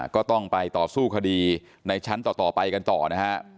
ก็ต้องไปต่อสู้คดีในชั้นต่อไปกันต่อนะฮะ